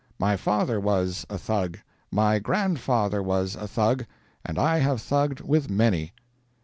my father was a Thug, my grandfather was a Thug, and I have thugged with many!'"